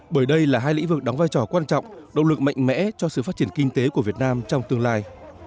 bởi đây là hai lĩnh vực đóng vai trò quan trọng động lực mạnh mẽ cho sự phát triển kinh tế của việt nam trong tương lai